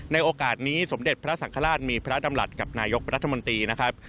โอกาสนี้สมเด็จพระสังฆราชมีพระดำรัฐกับนายกรัฐมนตรีนะครับ